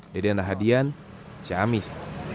jadi anda hadian ciamis